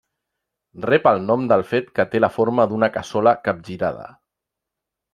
Rep el nom del fet que té la forma d'una cassola capgirada.